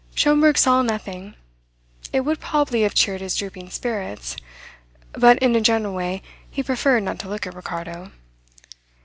Schomberg saw nothing. It would probably have cheered his drooping spirits; but in a general way he preferred not to look at Ricardo.